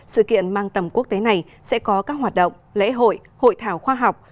sự kiện mang tầm quốc tế này sẽ có các hoạt động lễ hội hội thảo khoa học